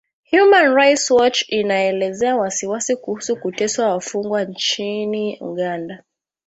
Human Rights Watch inaelezea wasiwasi kuhusu kuteswa wafungwa nchini Uganda